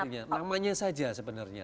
namanya saja sebenarnya